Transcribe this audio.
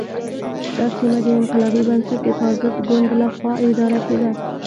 دا سیمه د انقلابي بنسټ د فاسد ګوند له خوا اداره کېده.